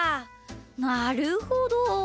なるほど！